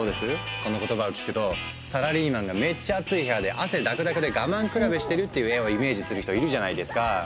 この言葉を聞くとサラリーマンがめっちゃアツい部屋で汗だくだくで我慢比べしてるっていう絵をイメージする人いるじゃないですか。